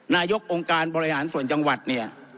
นายกองค์การบริหารส่วนจังหวัดเนี่ย